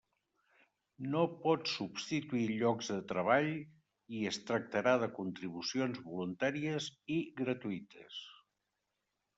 No pot substituir llocs de treball i es tractarà de contribucions voluntàries i gratuïtes.